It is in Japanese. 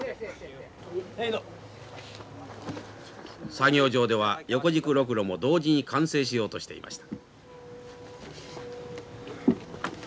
作業場では横軸ロクロも同時に完成しようとしていました。